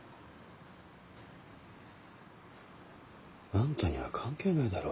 あんたには関係ないだろ。